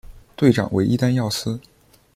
队长为伊丹耀司。